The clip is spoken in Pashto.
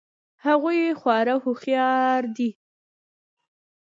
هغوی خورا هوښیار دي